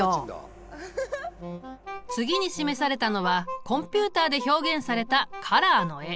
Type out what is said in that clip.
次に示されたのはコンピュータで表現されたカラーの絵。